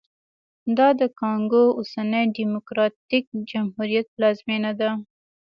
دا د کانګو اوسني ډیموکراټیک جمهوریت پلازمېنه ده